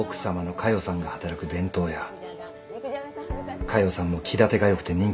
佳代さんも気立てが良くて人気者だ。